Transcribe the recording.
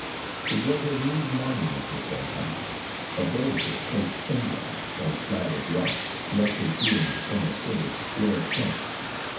It was a rude monument of some kind, a boulder placed endwise on a slab of rock roughly hewn to form a sort of square plinth.